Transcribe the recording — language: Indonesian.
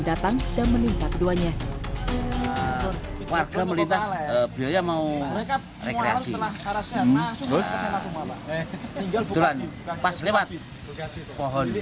datang dan menimpa keduanya warga melintas beliau mau rekreasi terus pas lewat pohon